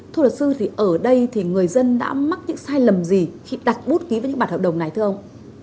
thưa luật sư thì ở đây thì người dân đã mắc những sai lầm gì khi đặt bút ký với những bản hợp đồng này thưa ông